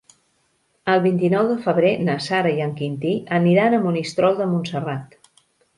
El vint-i-nou de febrer na Sara i en Quintí aniran a Monistrol de Montserrat.